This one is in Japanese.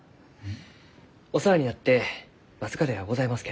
お世話になって僅かではございます